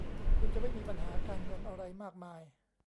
คุณจะไม่มีปัญหาการเงินอะไรมากมาย